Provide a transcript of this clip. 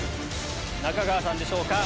中川さんでしょうか？